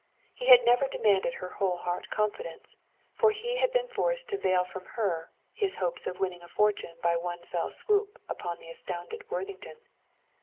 He never had demanded her whole heart confidence, for he had been forced to veil from her his hopes of winning a fortune by one fell swoop upon the astounded Worthington.